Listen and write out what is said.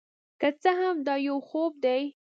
که څه هم دا یو خوب دی،